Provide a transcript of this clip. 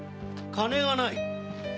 金はない？